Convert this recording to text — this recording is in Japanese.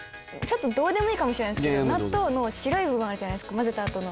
どうでもいいかもしれないですけど納豆の白い部分あるじゃないですか混ぜたあとの。